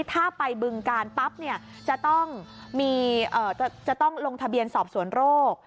ถ้าไปบึงการปั๊บจะต้องลงทะเบียนสอบสวนโรค